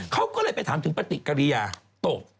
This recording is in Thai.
เขาก็เลยไปถามถึงปฏิกิริยาตก